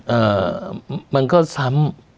เอ่อมันก็ซ้ำ